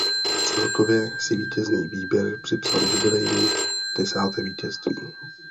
Celkově si vítězný výběr připsal jubilejní desáté vítězství.